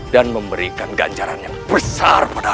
dan memberikan ganjaran yang besar pada aku